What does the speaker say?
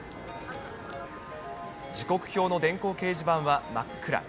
時刻表の電光掲示板は真っ暗。